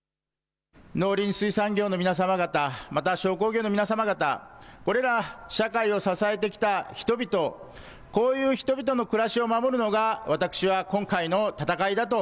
農林水産業の皆様方、また、商工業の皆様方、これら社会を支えてきた人々、こういう人々の暮らしを守るのが私は今回の戦いだと。